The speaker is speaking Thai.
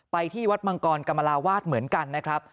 ที่วัดมังกรกรรมราวาสเหมือนกันนะครับ